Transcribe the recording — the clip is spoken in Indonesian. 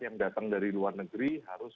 yang datang dari luar negeri harus